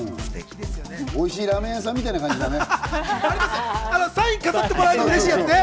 おいしいラーメン屋さんみたいなもんだね。